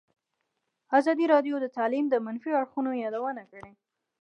ازادي راډیو د تعلیم د منفي اړخونو یادونه کړې.